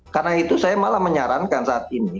karena itu saya malah menyarankan saat ini